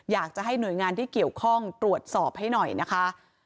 อยากจะให้หน่วยงานที่เกี่ยวข้องตรวจสอบให้หน่อยนะคะ